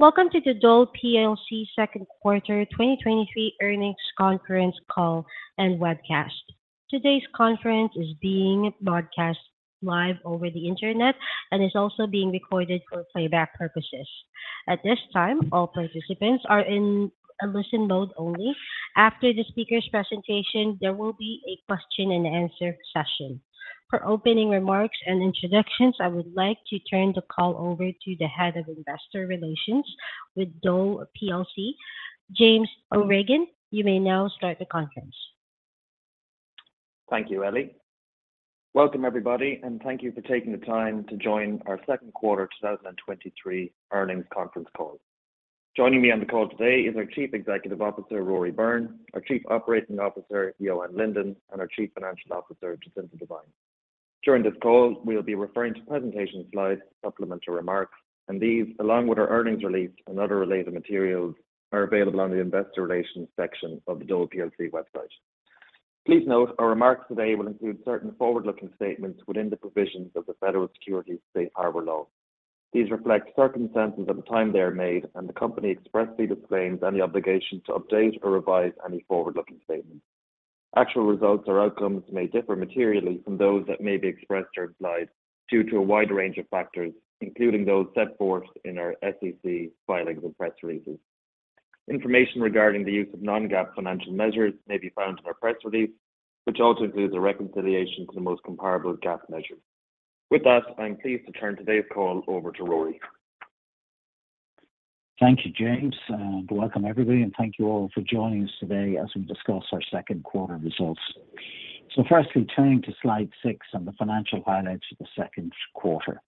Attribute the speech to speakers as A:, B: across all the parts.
A: Welcome to the Dole plc second quarter 2023 earnings conference call and webcast. Today's conference is being broadcast live over the internet and is also being recorded for playback purposes. At this time, all participants are in listen mode only. After the speaker's presentation, there will be a question and answer session. For opening remarks and introductions, I would like to turn the call over to the Head of Investor Relations with Dole plc, James O'Regan. You may now start the conference.
B: Thank you, Ellie. Welcome, everybody, and thank you for taking the time to join our second quarter 2023 earnings conference call. Joining me on the call today is our Chief Executive Officer, Rory Byrne, our Chief Operating Officer, Johan Linden, and our Chief Financial Officer, Jacinta Devine. During this call, we'll be referring to presentation slides, supplemental remarks, these, along with our earnings release and other related materials, are available on the Investor Relations section of the Dole plc website. Please note, our remarks today will include certain forward-looking statements within the provisions of the Federal Securities Safe Harbor Law. These reflect circumstances at the time they are made, and the company expressly disclaims any obligation to update or revise any forward-looking statements. Actual results or outcomes may differ materially from those that may be expressed or implied due to a wide range of factors, including those set forth in our SEC filings and press releases. Information regarding the use of non-GAAP financial measures may be found in our press release, which also includes a reconciliation to the most comparable GAAP measures. With that, I'm pleased to turn today's call over to Rory.
C: Thank you, James, and welcome, everybody, and thank you all for joining us today as we discuss our second quarter results. Firstly, turning to slide 6 and the financial highlights of the second quarter.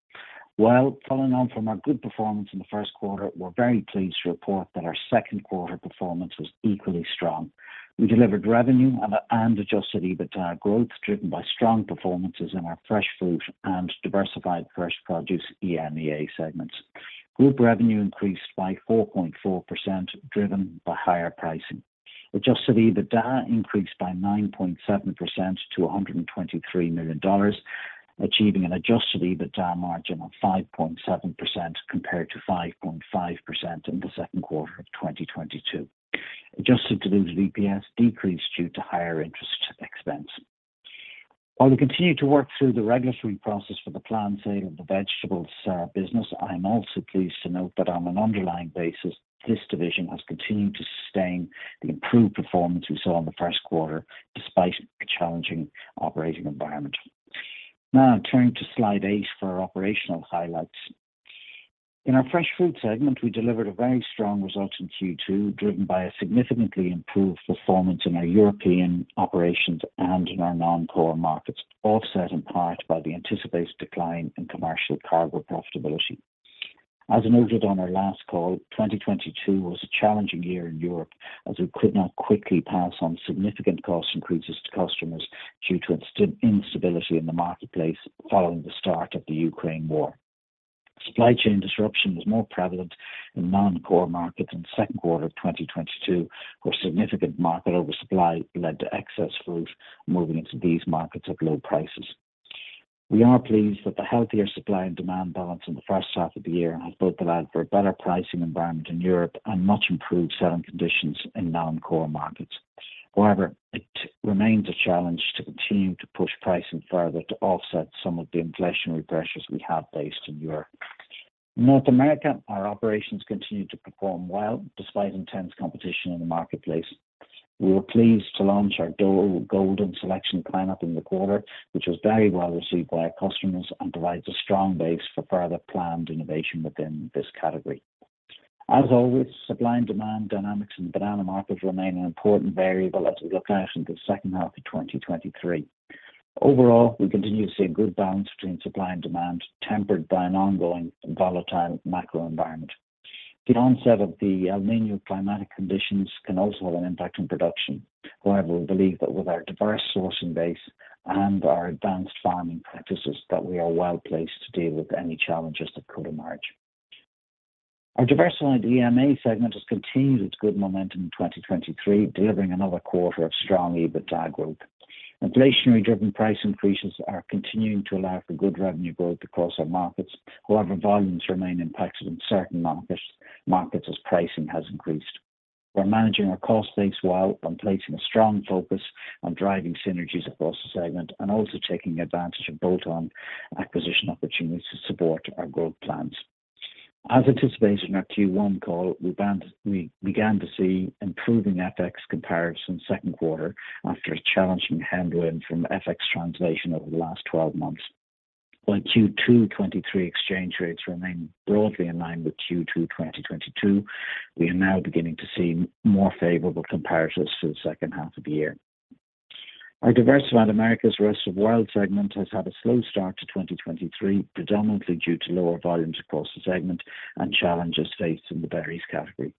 C: Following on from our good performance in the first quarter, we're very pleased to report that our second quarter performance was equally strong. We delivered revenue and Adjusted EBITDA growth, driven by strong performances in our Fresh Fruit and Diversified Fresh Produce EMEA segments. Group revenue increased by 4.4%, driven by higher pricing. Adjusted EBITDA increased by 9.7% to $123 million, achieving an Adjusted EBITDA Margin of 5.7% compared to 5.5% in the second quarter of 2022. Adjusted Diluted EPS decreased due to higher interest expense. While we continue to work through the regulatory process for the planned sale of the vegetables business, I'm also pleased to note that on an underlying basis, this division has continued to sustain the improved performance we saw in the first quarter, despite a challenging operating environment. Turning to Slide 8 for our operational highlights. In our Fresh Food segment, we delivered a very strong result in Q2, driven by a significantly improved performance in our European operations and in our non-core markets, offset in part by the anticipated decline in commercial cargo profitability. As noted on our last call, 2022 was a challenging year in Europe, as we could not quickly pass on significant cost increases to customers due to instability in the marketplace following the start of the Ukraine war. Supply chain disruption was more prevalent in non-core markets in the second quarter of 2022, where significant market oversupply led to excess fruit moving into these markets at low prices. We are pleased that the healthier supply and demand balance in the first half of the year has both allowed for a better pricing environment in Europe and much improved selling conditions in non-core markets. However, it remains a challenge to continue to push pricing further to offset some of the inflationary pressures we have faced in Europe. In North America, our operations continued to perform well, despite intense competition in the marketplace. We were pleased to launch our Dole Golden Selection lineup in the quarter, which was very well received by our customers and provides a strong base for further planned innovation within this category. As always, supply and demand dynamics in banana markets remain an important variable as we look out into the second half of 2023. Overall, we continue to see a good balance between supply and demand, tempered by an ongoing volatile macro environment. The onset of the El Niño climatic conditions can also have an impact on production. We believe that with our diverse sourcing base and our advanced farming practices, that we are well placed to deal with any challenges that could emerge. Our diversified EMEA segment has continued its good momentum in 2023, delivering another quarter of strong EBITDA growth. Inflationary-driven price increases are continuing to allow for good revenue growth across our markets. Volumes remain impacted in certain markets as pricing has increased. We're managing our cost base well and placing a strong focus on driving synergies across the segment and also taking advantage of bolt-on acquisition opportunities to support our growth plans. As anticipated in our Q1 call, we began to see improving FX comparison Q2 after a challenging headwind from FX translation over the last 12 months. While Q2 2023 exchange rates remain broadly in line with Q2 2022, we are now beginning to see more favorable comparatives to the 2nd half of the year. Our diversified Americas & ROW segment has had a slow start to 2023, predominantly due to lower volumes across the segment and challenges faced in the berries category.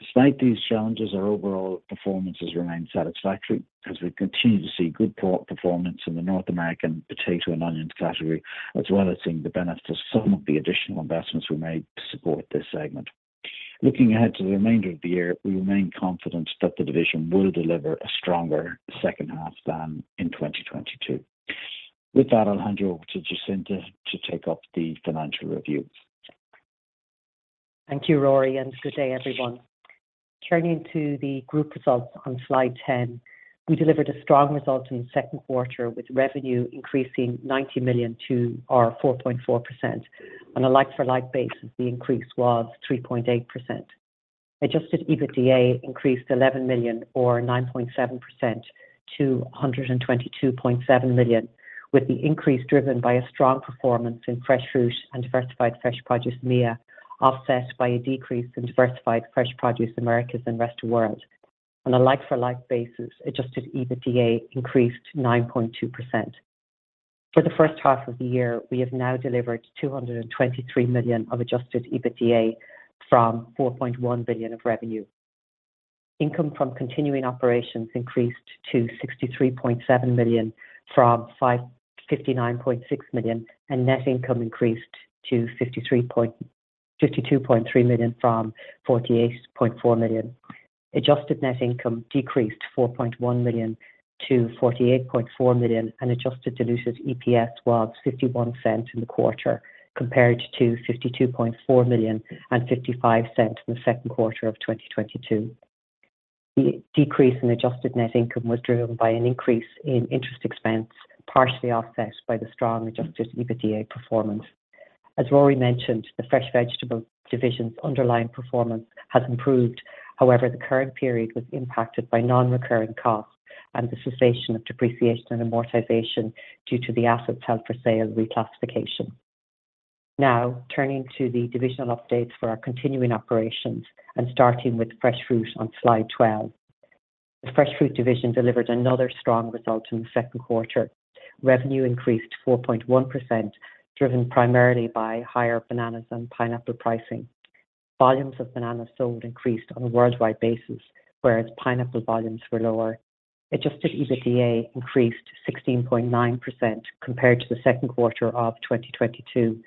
C: Despite these challenges, our overall performance has remained satisfactory as we continue to see good port performance in the North American potato and onions category, as well as seeing the benefits of some of the additional investments we made to support this segment. Looking ahead to the remainder of the year, we remain confident that the division will deliver a stronger second half than in 2022. With that, I'll hand you over to Jacinta to take up the financial review.
D: Thank you, Rory. Good day, everyone. Turning to the group results on slide 10, we delivered a strong result in the second quarter, with revenue increasing $90 million to, or 4.4%. On a like-for-like basis, the increase was 3.8%. Adjusted EBITDA increased $11 million, or 9.7%, to $122.7 million, with the increase driven by a strong performance in Fresh Fruit and Diversified Fresh Produce EMEA, offset by a decrease in Diversified Fresh Produce – Americas & ROW. On a like-for-like basis, Adjusted EBITDA increased 9.2%. For the first half of the year, we have now delivered $223 million of Adjusted EBITDA from $4.1 billion of revenue. Income from continuing operations increased to $63.7 million from $59.6 million. Net income increased to $52.3 million from $48.4 million. Adjusted Net Income decreased $4.1 million-$48.4 million, and Adjusted Diluted EPS was $0.51 in the quarter, compared to $52.4 million and $0.55 in the second quarter of 2022. The decrease in Adjusted Net Income was driven by an increase in interest expense, partially offset by the strong Adjusted EBITDA performance. As Rory mentioned, the Fresh Vegetables division's underlying performance has improved. However, the current period was impacted by non-recurring costs and the cessation of depreciation and amortization due to the assets held for sale reclassification. Turning to the divisional updates for our continuing operations and starting with Fresh Fruit on Slide 12. The Fresh Fruit division delivered another strong result in the second quarter. Revenue increased 4.1%, driven primarily by higher bananas and pineapple pricing. Volumes of bananas sold increased on a worldwide basis, whereas pineapple volumes were lower. Adjusted EBITDA increased 16.9% compared to the second quarter of 2022,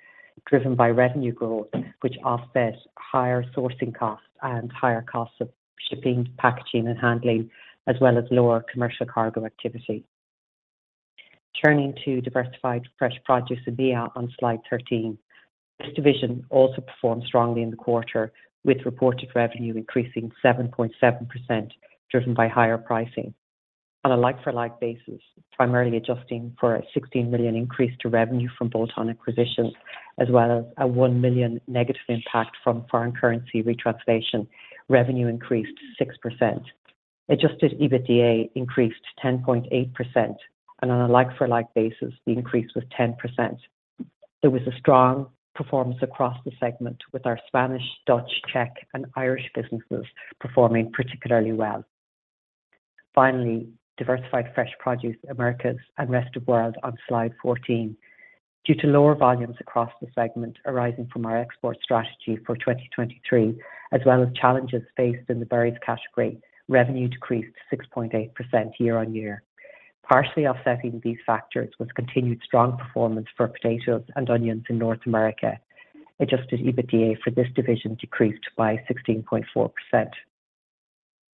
D: driven by revenue growth, which offset higher sourcing costs and higher costs of shipping, packaging, and handling, as well as lower commercial cargo activity. Turning to Diversified Fresh Produce EMEA on slide 13. This division also performed strongly in the quarter, with reported revenue increasing 7.7%, driven by higher pricing. On a like-for-like basis, primarily adjusting for a $16 million increase to revenue from bolt-on acquisitions, as well as a $1 million negative impact from foreign currency retranslation, revenue increased 6%. Adjusted EBITDA increased 10.8%, and on a like-for-like basis, the increase was 10%. There was a strong performance across the segment, with our Spanish, Dutch, Czech, and Irish businesses performing particularly well. Finally, Diversified Fresh Produce Americas and Rest of World on Slide 14. Due to lower volumes across the segment arising from our export strategy for 2023, as well as challenges faced in the berries category, revenue decreased 6.8% year-on-year. Partially offsetting these factors was continued strong performance for potatoes and onions in North America. Adjusted EBITDA for this division decreased by 16.4%.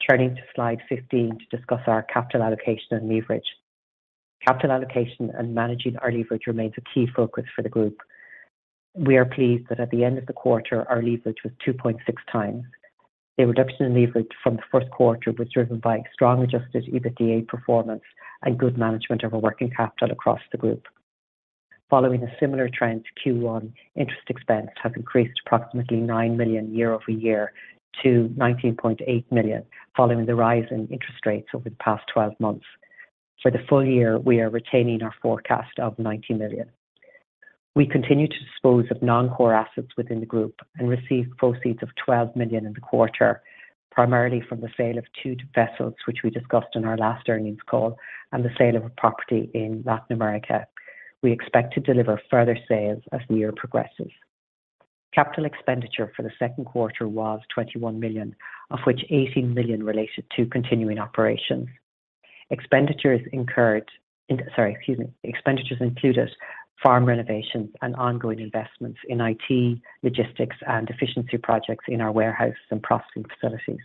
D: Turning to slide 15 to discuss our capital allocation and leverage. Capital allocation and managing our leverage remains a key focus for the group. We are pleased that at the end of the quarter, our leverage was 2.6 times. The reduction in leverage from the first quarter was driven by strong Adjusted EBITDA performance and good management of our working capital across the group. Following a similar trend to Q1, interest expense has increased approximately $9 million year-over-year to $19.8 million, following the rise in interest rates over the past 12 months. For the full year, we are retaining our forecast of $90 million. We continue to dispose of non-core assets within the group and received proceeds of $12 million in the quarter, primarily from the sale of two vessels, which we discussed in our last earnings call, and the sale of a property in Latin America. We expect to deliver further sales as the year progresses. Capital expenditure for the second quarter was $21 million, of which $18 million related to continuing operations. Expenditures incurred. Sorry, excuse me. Expenditures included farm renovations and ongoing investments in IT, logistics, and efficiency projects in our warehouses and processing facilities.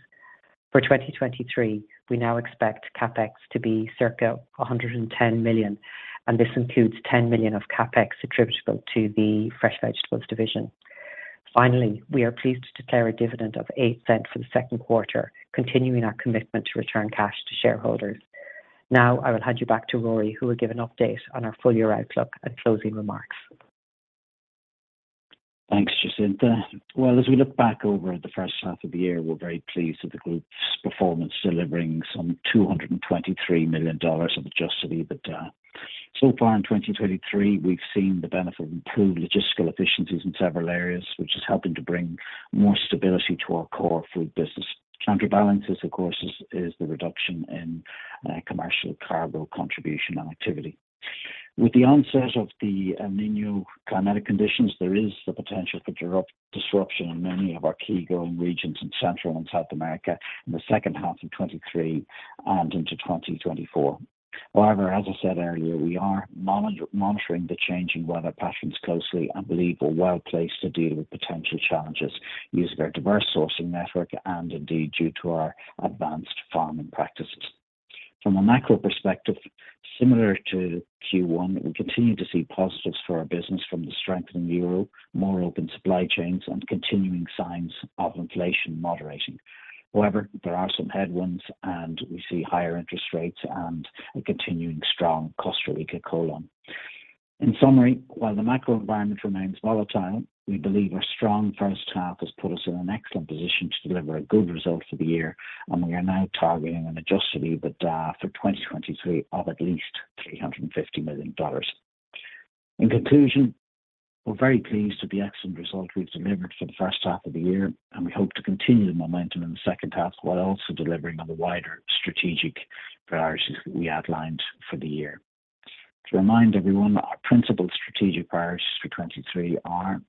D: For 2023, we now expect CapEx to be circa $110 million. This includes $10 million of CapEx attributable to the Fresh Vegetables division. Finally, we are pleased to declare a dividend of $0.08 for the second quarter, continuing our commitment to return cash to shareholders. Now, I will hand you back to Rory, who will give an update on our full-year outlook and closing remarks.
C: Thanks, Jacinta. Well, as we look back over the first half of the year, we're very pleased with the group's performance, delivering some $223 million of Adjusted EBITDA. So far in 2023, we've seen the benefit of improved logistical efficiencies in several areas, which is helping to bring more stability to our core food business. Counterbalances, of course, is the reduction in commercial cargo contribution and activity. With the onset of the El Niño climatic conditions, there is the potential for disruption in many of our key growing regions in Central and South America in the second half of 2023 and into 2024. However, as I said earlier, we are monitoring the changing weather patterns closely and believe we're well-placed to deal with potential challenges using our diverse sourcing network and indeed due to our advanced farming practices.... From a macro perspective, similar to Q1, we continue to see positives for our business from the strengthening euro, more open supply chains, and continuing signs of inflation moderating. However, there are some headwinds, and we see higher interest rates and a continuing strong Costa Rican colón. In summary, while the macro environment remains volatile, we believe our strong first half has put us in an excellent position to deliver a good result for the year, and we are now targeting an Adjusted EBITDA for 2023 of at least $350 million. In conclusion, we're very pleased with the excellent result we've delivered for the first half of the year, and we hope to continue the momentum in the second half, while also delivering on the wider strategic priorities that we outlined for the year. To remind everyone, our principal strategic priorities for 2023 are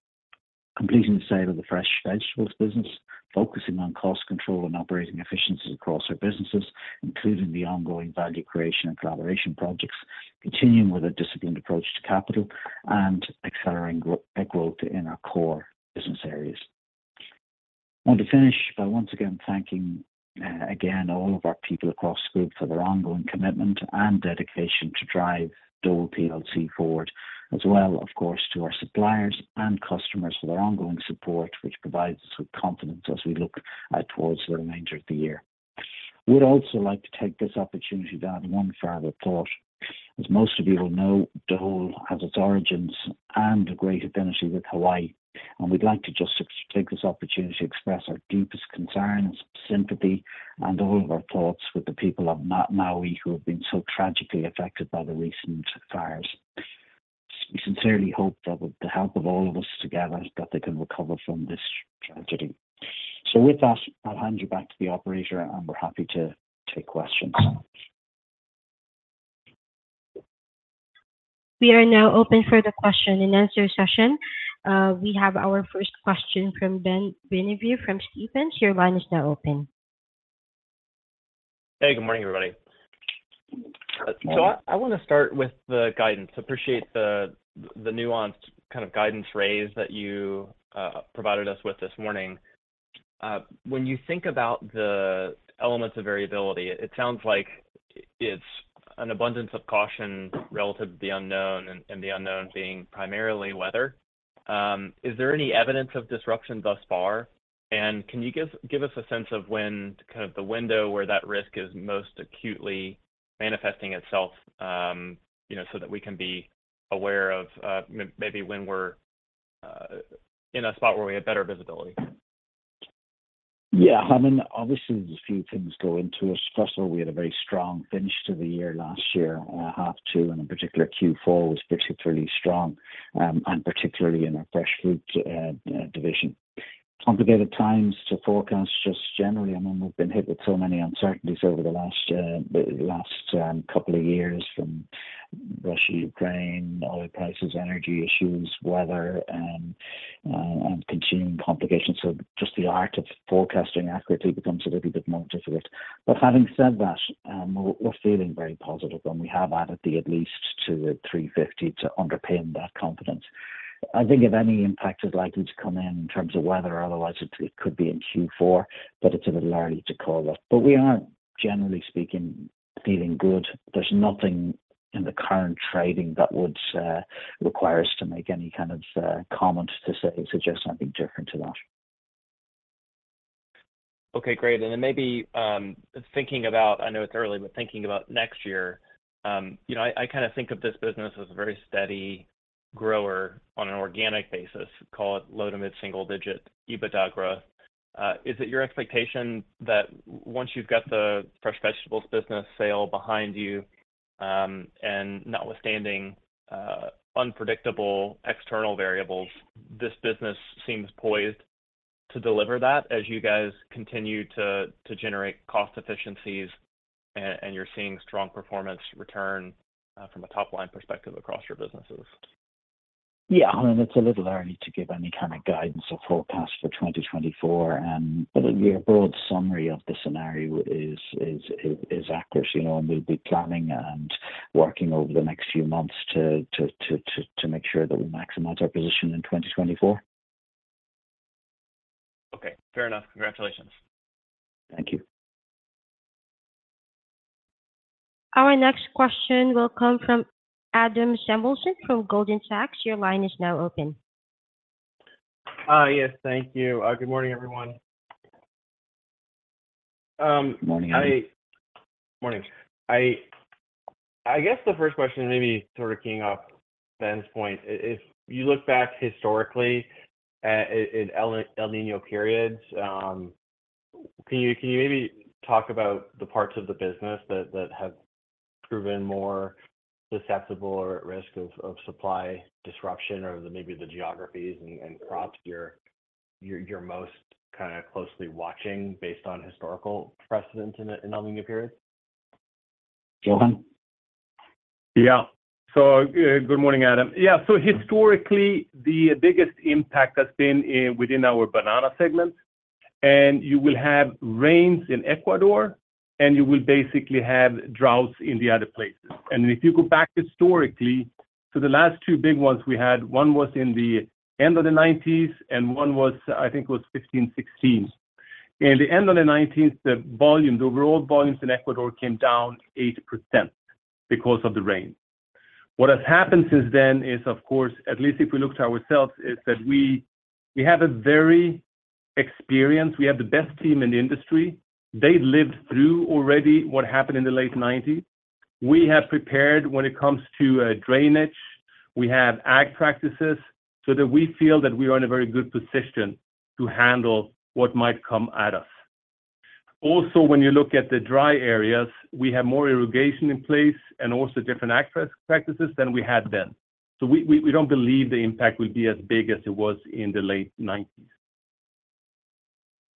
C: completing the sale of the Fresh Vegetables business, focusing on cost control and operating efficiencies across our businesses, including the ongoing value creation and collaboration projects, continuing with a disciplined approach to capital, and accelerating growth in our core business areas. I want to finish by once again thanking again, all of our people across the group for their ongoing commitment and dedication to drive Dole plc forward, as well, of course, to our suppliers and customers for their ongoing support, which provides us with confidence as we look out towards the remainder of the year. I would also like to take this opportunity to add one further thought. As most of you will know, Dole has its origins and a great affinity with Hawaii. We'd like to just take this opportunity to express our deepest concerns, sympathy, and all of our thoughts with the people of Maui, who have been so tragically affected by the recent fires. We sincerely hope that with the help of all of us together, that they can recover from this tragedy. With that, I'll hand you back to the operator, and we're happy to take questions.
A: We are now open for the question and answer session. We have our first question from Ben Bienvenu from Stephens. Your line is now open.
E: Good morning, everybody. I, I wanna start with the guidance. Appreciate the, the nuanced kind of guidance phrase that you provided us with this morning. When you think about the elements of variability, it sounds like it's an abundance of caution relative to the unknown, and, and the unknown being primarily weather. Is there any evidence of disruption thus far? Can you give us a sense of when kind of the window where that risk is most acutely manifesting itself, you know, so that we can be aware of, maybe when we're in a spot where we have better visibility?
C: Yeah, I mean, obviously, there's a few things go into it. First of all, we had a very strong finish to the year last year, half 2, and in particular, Q4 was particularly strong, and particularly in our Fresh Foods division. Complicated times to forecast just generally. I mean, we've been hit with so many uncertainties over the last, the last 2 years, from Russia, Ukraine, oil prices, energy issues, weather, and continuing complications. Just the art of forecasting accurately becomes a little bit more difficult. Having said that, we're, we're feeling very positive, and we have added the at least to the 350 to underpin that confidence. I think if any impact is likely to come in, in terms of weather or otherwise, it, it could be in Q4, but it's a little early to call that. We are, generally speaking, feeling good. There's nothing in the current trading that would require us to make any kind of comment to say, suggest something different to that.
E: Okay, great. Then maybe, thinking about... I know it's early, but thinking about next year, you know, I, I kind of think of this business as a very steady grower on an organic basis, call it low to mid-single digit EBITDA growth. Is it your expectation that once you've got the Fresh Vegetables business sale behind you, and notwithstanding unpredictable external variables, this business seems poised to deliver that as you guys continue to generate cost efficiencies, and you're seeing strong performance return from a top-line perspective across your businesses?
C: Yeah, I mean, it's a little early to give any kind of guidance or forecast for 2024. I think our broad summary of the scenario is accurate, you know, and we'll be planning and working over the next few months to make sure that we maximize our position in 2024.
E: Okay, fair enough. Congratulations.
C: Thank you.
A: Our next question will come from Adam Samuelson from Goldman Sachs. Your line is now open.
F: Yes, thank you. Good morning, everyone.
C: Good morning, Adam.
F: Good morning. I, I guess the first question may be sort of keying off Ben's point. If you look back historically at, at El Niño periods, can you, can you maybe talk about the parts of the business that, that have proven more susceptible or at risk of, of supply disruption? Or maybe the geographies and, and crops you're, you're most kind of closely watching based on historical precedents in a, in El Niño periods?
C: Johan?
G: Yeah. Good morning, Adam. Yeah, historically, the biggest impact has been in, within our banana segment. You will have rains in Ecuador, and you will basically have droughts in the other places. If you go back historically-... The last 2 big ones we had, one was in the end of the 1990s, and one was, I think, was 15, 16. In the end of the 1990s, the volume, the overall volumes in Ecuador came down 8% because of the rain. What has happened since then is, of course, at least if we look to ourselves, is that we, we have a very experienced-- we have the best team in the industry. They lived through already what happened in the late 1990s. We have prepared when it comes to drainage. We have ag practices that we feel that we are in a very good position to handle what might come at us. Also, when you look at the dry areas, we have more irrigation in place and also different ag practices than we had then. We don't believe the impact will be as big as it was in the late 90s.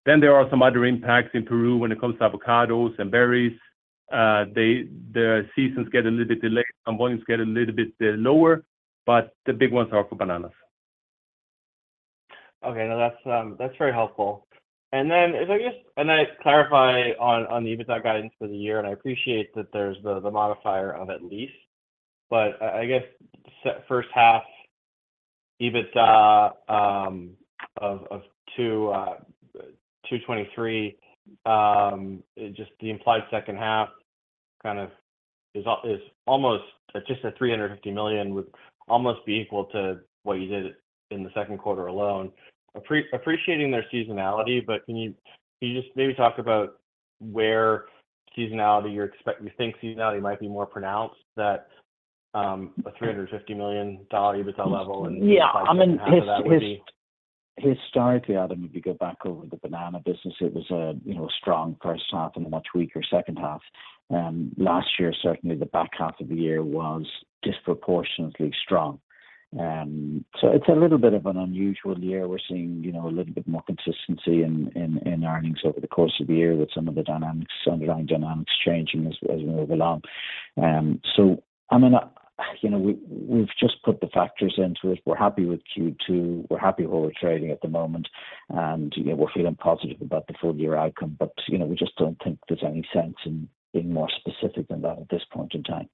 G: There are some other impacts in Peru when it comes to avocados and berries. Their seasons get a little bit delayed, and volumes get a little bit lower, but the big ones are for bananas.
F: Okay. No, that's very helpful. Then if I clarify on the EBITDA guidance for the year, and I appreciate that there's the modifier of at least, but, I guess, first half EBITDA of $223 million, just the implied second half kind of is almost just a $350 million would almost be equal to what you did in the second quarter alone. Appreciating their seasonality, but can you, can you just maybe talk about where seasonality might be more pronounced that a $350 million EBITDA level?
C: Yeah, I mean.
F: half of that would be ...
C: historically, Adam, if you go back over the banana business, it was a, you know, strong first half and a much weaker second half. Last year, certainly the back half of the year was disproportionately strong. It's a little bit of an unusual year. We're seeing, you know, a little bit more consistency in, in, in earnings over the course of the year with some of the dynamics, underlying dynamics changing as, as we move along. I mean, you know, we've just put the factors into it. We're happy with Q2, we're happy where we're trading at the moment, and, you know, we're feeling positive about the full year outcome. You know, we just don't think there's any sense in being more specific than that at this point in time.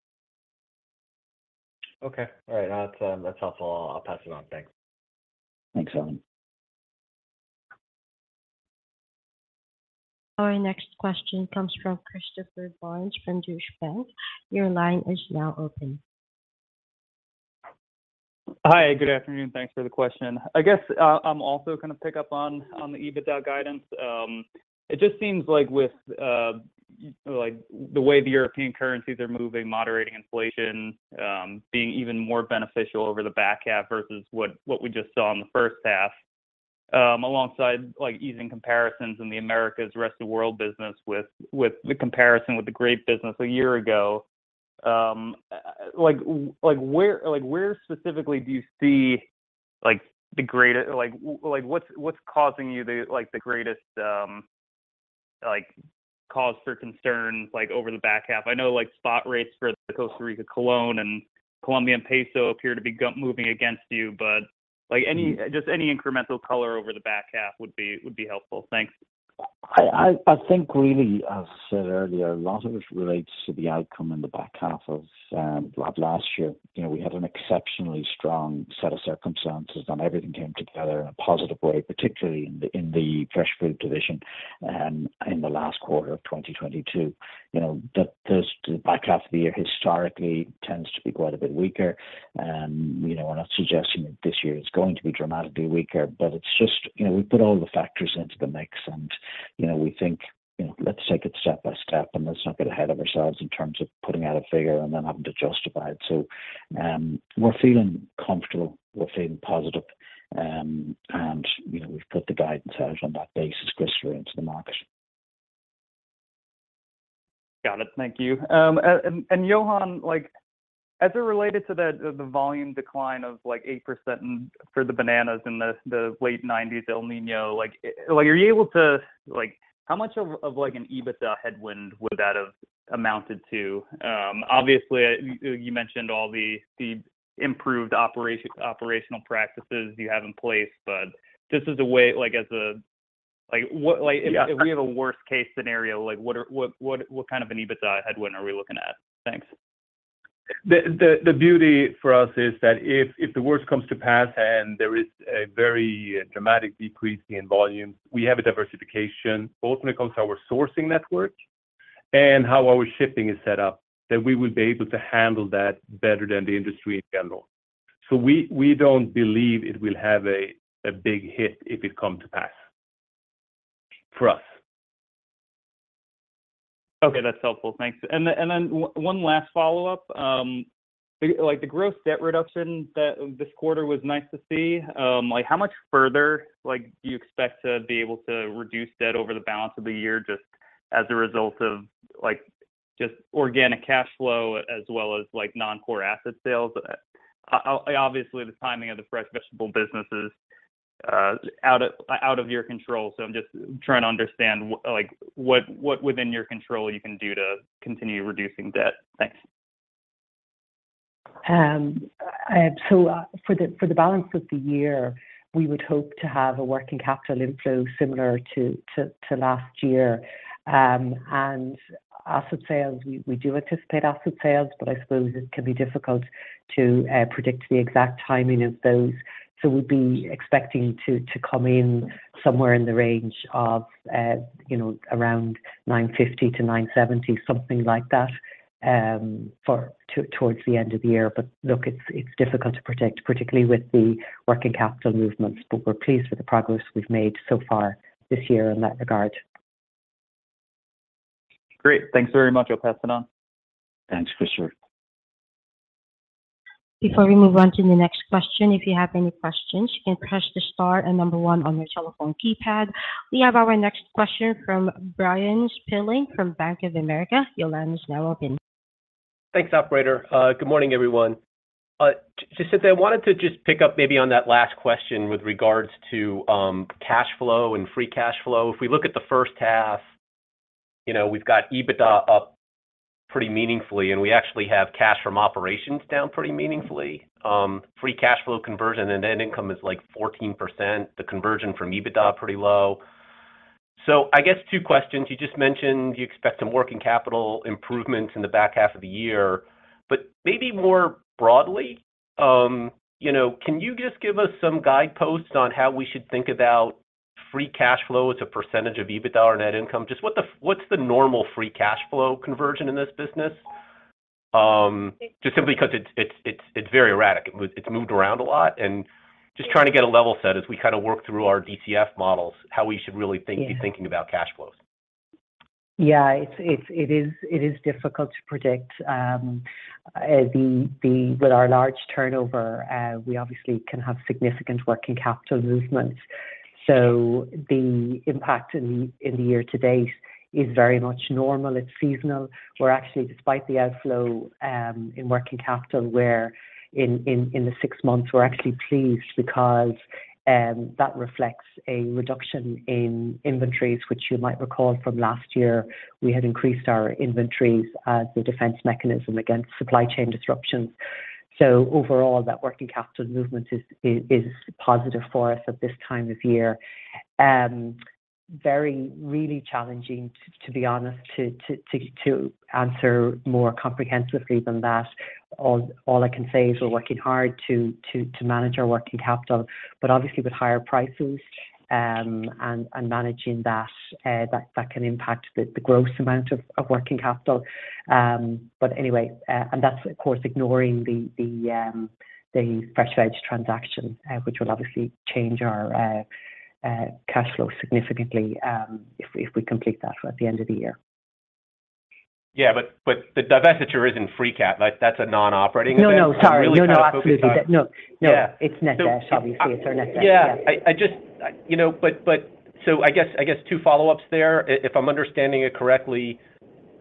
F: Okay. All right. That's, that's helpful. I'll pass it on. Thanks.
C: Thanks, Adam.
A: Our next question comes from Christopher Barnes from Deutsche Bank. Your line is now open.
H: Hi, good afternoon. Thanks for the question. I guess, I'm also gonna pick up on, on the EBITDA guidance. It just seems like with, like the way the European currencies are moving, moderating inflation, being even more beneficial over the back half versus what, what we just saw in the first half, alongside like easing comparisons in the Americas, rest of the world business with, with the comparison with the great business a year ago, where specifically do you see like the causing you the like the greatest cause for concern, like over the back half? I know, like, spot rates for the Costa Rican colón and Colombian peso appear to be moving against you, like just any incremental color over the back half would be helpful. Thanks.
C: I think really, as I said earlier, a lot of it relates to the outcome in the back half of last year. You know, we had an exceptionally strong set of circumstances, and everything came together in a positive way, particularly in the Fresh Food division in the last quarter of 2022. You know, the back half of the year historically tends to be quite a bit weaker. You know, we're not suggesting that this year is going to be dramatically weaker, but it's just... You know, we put all the factors into the mix, and, you know, we think, "Let's take it step by step, and let's not get ahead of ourselves in terms of putting out a figure and then having to justify it." We're feeling comfortable, we're feeling positive, and, you know, we've put the guidance out on that basis going into the market.
H: Got it. Thank you. Johan, like, as it related to the volume decline of, like, 8% for the bananas in the late 1990s El Niño, like, are you able to? Like, how much of, like, an EBITDA headwind would that have amounted to? Obviously, you mentioned all the improved operational practices you have in place, but just as a way, like, as a... Like, what,
G: Yeah.
H: If we have a worst-case scenario, like, what are, what kind of an EBITDA headwind are we looking at? Thanks.
G: The beauty for us is that if the worst comes to pass and there is a very dramatic decrease in volume, we have a diversification both when it comes to our sourcing network and how our shipping is set up, that we would be able to handle that better than the industry in general. We, we don't believe it will have a big hit if it come to pass for us.
H: Okay, that's helpful. Thanks. Then, then one last follow-up. Like, the gross debt reduction that this quarter was nice to see. Like, how much further, like, do you expect to be able to reduce debt over the balance of the year, just as a result of, like, just organic cash flow as well as, like, non-core asset sales? Obviously, the timing of the Fresh Vegetables business is out of, out of your control, so I'm just trying to understand, like, what, what within your control you can do to continue reducing debt. Thanks....
D: so for the, for the balance of the year, we would hope to have a working capital inflow similar to, to, to last year. Asset sales, we, we do anticipate asset sales, but I suppose it can be difficult to predict the exact timing of those. So we'd be expecting to, to come in somewhere in the range of, you know, around $950-$970, something like that, for towards the end of the year. But look, it's, it's difficult to predict, particularly with the working capital movements, but we're pleased with the progress we've made so far this year in that regard.
H: Great. Thanks very much. I'll pass it on.
C: Thanks for sure.
A: Before we move on to the next question, if you have any questions, you can press the star and 1 on your telephone keypad. We have our next question from Bryan Spillane from Bank of America. Your line is now open.
I: Thanks, operator. Good morning, everyone. Jacinta, I wanted to just pick up maybe on that last question with regards to cash flow and free cash flow. If we look at the first half, you know, we've got EBITDA up pretty meaningfully, and we actually have cash from operations down pretty meaningfully. Free cash flow conversion and net income is, like, 14%. The conversion from EBITDA, pretty low. I guess two questions. You just mentioned you expect some working capital improvements in the back half of the year, but maybe more broadly, you know, can you just give us some guideposts on how we should think about free cash flow as a percentage of EBITDA or net income? Just what the- what's the normal free cash flow conversion in this business? Just simply 'cause it's, it's, it's, it's very erratic. It's moved around a lot and just trying to get a level set as we kind of work through our DCF models, how we should really think.
D: Yeah...
I: be thinking about cash flows.
D: Yeah, it is difficult to predict. With our large turnover, we obviously can have significant working capital movements. The impact in the year to date is very much normal, it's seasonal. We're actually, despite the outflow in working capital, we're in the six months, we're actually pleased because that reflects a reduction in inventories, which you might recall from last year. We had increased our inventories as a defense mechanism against supply chain disruptions. Overall, that working capital movement is positive for us at this time of year. Very really challenging, to be honest, to answer more comprehensively than that. All I can say is we're working hard to manage our working capital, but obviously with higher prices, and managing that, that can impact the gross amount of working capital. Anyway, That's, of course, ignoring the Fresh Veg transaction, which will obviously change our cash flow significantly, if we complete that at the end of the year.
I: Yeah, but, but the divestiture is in free cap. Like, that's a non-operating event.
D: No, no, sorry.
I: I'm really kind of focused on-
D: No, no, absolutely.
I: Yeah.
D: No, no, it's net debt, obviously.
I: So, uh-
D: It's our net debt. Yeah.
I: Yeah, I, I just, you know. I guess, I guess two follow-ups there. If, if I'm understanding it correctly,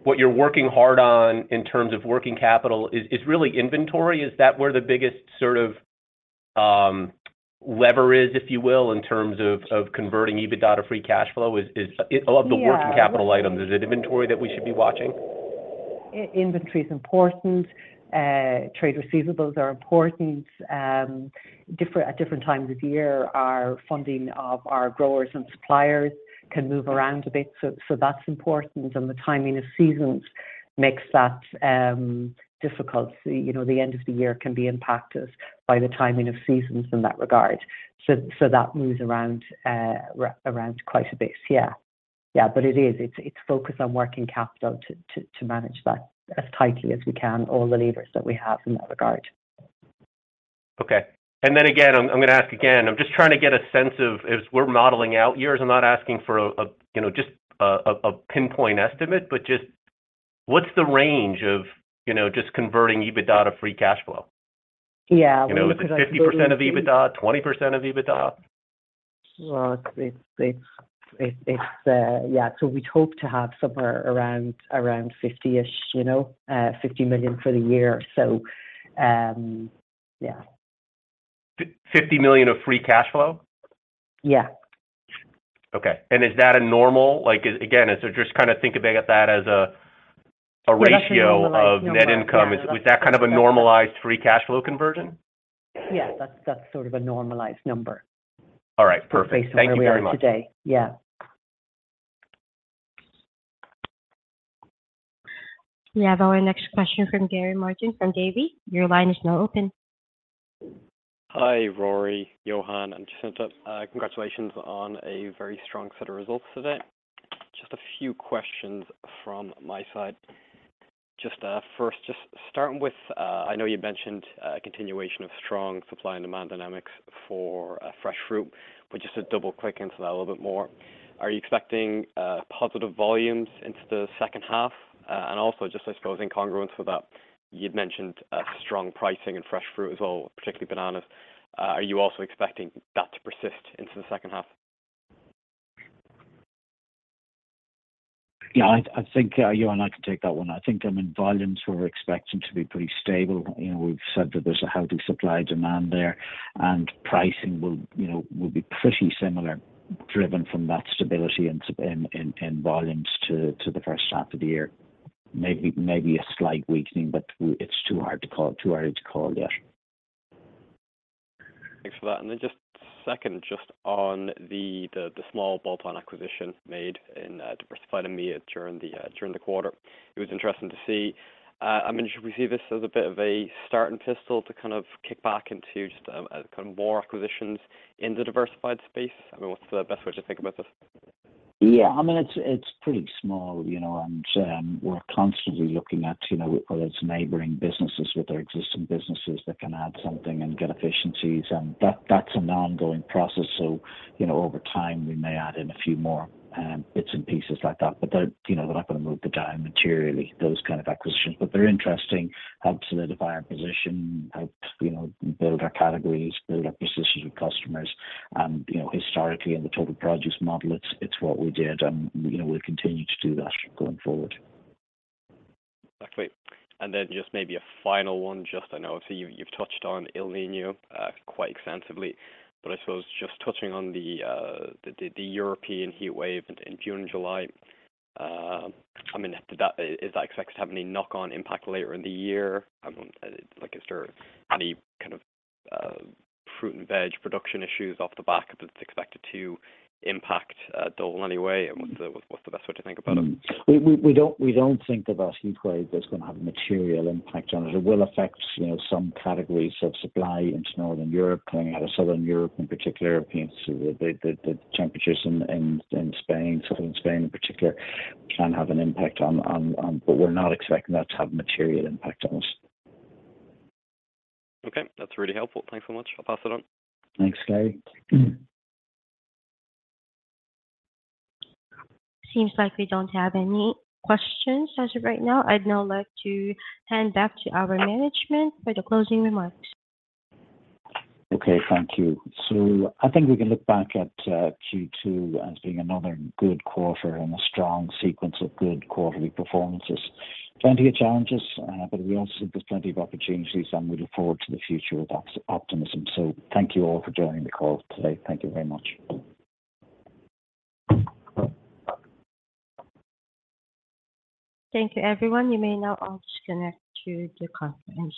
I: what you're working hard on in terms of working capital is, is really inventory. Is that where the biggest sort of lever is, if you will, in terms of, of converting EBITDA to free cash flow?
D: Yeah
I: ...of the working capital items, is it inventory that we should be watching?
D: Inventory is important. Trade receivables are important. Different, at different times of year, our funding of our growers and suppliers can move around a bit. That's important, and the timing of seasons makes that difficult. You know, the end of the year can be impacted by the timing of seasons in that regard. That moves around, around quite a bit. Yeah. Yeah, it is. It's, it's focused on working capital to, to, to manage that as tightly as we can, all the levers that we have in that regard.
I: Okay. Then again, I'm gonna ask again. I'm just trying to get a sense of as we're modeling out years, I'm not asking for a, you know, just a pinpoint estimate, but just what's the range of, you know, just converting EBITDA to free cash flow?
D: Yeah, well, because I-
I: You know, is it 50% of EBITDA, 20% of EBITDA?
D: Well, it's, yeah. We'd hope to have somewhere around, around 50-ish, you know, $50 million for the year. Yeah.
I: $50 million of free cash flow?
D: Yeah.
I: Okay. Is that a normal, like, again, just kind of think about that as a, a ratio-
D: That's a normalized number.
I: of net income. Is that kind of a normalized free cash flow conversion?
D: Yeah, that's, that's sort of a normalized number.
I: All right, perfect.
D: Based on where we are today.
I: Thank you very much.
D: Yeah.
A: We have our next question from Gary Martin from Davy. Your line is now open.
J: Hi, Rory, Johan, and Jacinta. Congratulations on a very strong set of results today. Just a few questions from my side. Just, first, just starting with, I know you mentioned, continuation of strong supply and demand dynamics for Fresh Fruit, but just to double-click into that a little bit more, are you expecting positive volumes into the second half? Also, just I suppose in congruence with that, you'd mentioned strong pricing in Fresh Fruit as well, particularly bananas. Are you also expecting that to persist into the second half?
C: Yeah, I, I think Johan, I can take that one. I think, I mean, volumes we're expecting to be pretty stable. You know, we've said that there's a healthy supply, demand there, and pricing will, you know, will be pretty similar, driven from that stability in volumes to the first half of the year. Maybe, maybe a slight weakening, but it's too hard to call, too early to call yet.
J: Thanks for that. Then just second, just on the small bolt-on acquisition made in Diversified EMEA during the quarter. It was interesting to see. I mean, should we see this as a bit of a starting pistol to kind of kick back into just, kind of more acquisitions in the diversified space? I mean, what's the best way to think about this?
C: Yeah, I mean, it's, it's pretty small, you know, and we're constantly looking at, you know, whether it's neighboring businesses with our existing businesses that can add something and get efficiencies, and that, that's an ongoing process. You know, over time, we may add in a few more bits and pieces like that. They're, you know, they're not gonna move the dial materially, those kind of acquisitions. They're interesting, help solidify our position, help, you know, build our categories, build our positions with customers, and, you know, historically, in the Total Produce model, it's, it's what we did and, you know, we'll continue to do that going forward.
J: Exactly. Then just maybe a final one, just I know, so you, you've touched on El Niño, quite extensively, but I suppose just touching on the, the, the, the European heatwave in, in June and July. I mean, is that expected to have any knock-on impact later in the year? like, is there any kind of, fruit and veg production issues off the back that's expected to impact, Dole in any way? What's the, what's, what's the best way to think about it?
C: We, we, we don't, we don't think that that heatwave is gonna have a material impact on us. It will affect, you know, some categories of supply into Northern Europe, coming out of Southern Europe, in particular. You can see the, the, the temperatures in, in, in Spain, Southern Spain in particular, can have an impact on, on. We're not expecting that to have a material impact on us.
J: Okay, that's really helpful. Thanks so much. I'll pass it on.
C: Thanks, Gary.
A: Seems like we don't have any questions as of right now. I'd now like to hand back to our management for the closing remarks.
C: Okay, thank you. I think we can look back at Q2 as being another good quarter and a strong sequence of good quarterly performances. Plenty of challenges, but we also think there's plenty of opportunities, and we look forward to the future with optimism. Thank you all for joining the call today. Thank you very much.
A: Thank you, everyone. You may now all disconnect to the conference.